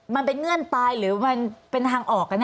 มันเป็นเงื่อนตายหรือมันเป็นทางออกกันแน่